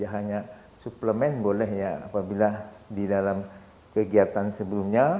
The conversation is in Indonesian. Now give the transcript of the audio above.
hanya suplemen boleh ya apabila di dalam kegiatan sebelumnya